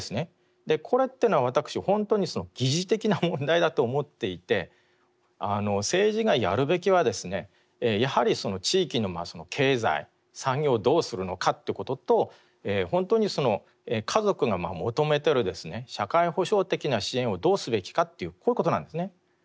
これっていうのは私本当に疑似的な問題だと思っていて政治がやるべきはですねやはりその地域の経済産業をどうするのかということと本当に家族が求めてる社会保障的な支援をどうすべきかっていうこういうことなんですね。